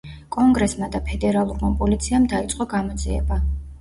კონგრესმა და ფედერალურმა პოლიციამ დაიწყო გამოძიება.